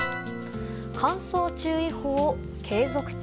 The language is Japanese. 乾燥注意報、継続中。